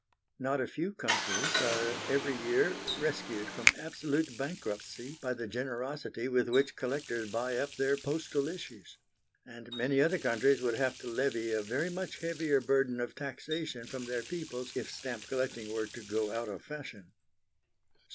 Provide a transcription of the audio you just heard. Not a few countries are every year rescued from absolute bankruptcy by the generosity with which collectors buy up their postal issues; and many other countries would have to levy a very much heavier burden of taxation from their peoples if stamp collecting were to go out of fashion.